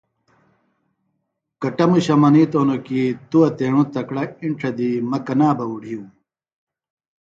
کٹموشہ منِیتوۡ ہنوۡ کیۡ ”توۡ اتیڻوۡ تکڑہ اِنڇہ دی مہ کنا بھےۡ اُڈِھیوم“